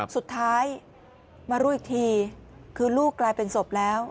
สุดท้ายมารู้อีกทีคือลูกกลายเป็นศพแล้ว